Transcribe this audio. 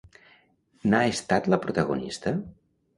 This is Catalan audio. N'ha estat la protagonista?